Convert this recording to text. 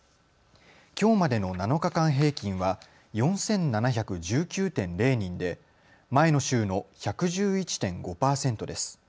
きょうまでの７日間平均は４７１９．０人で前の週の１１１．５％です。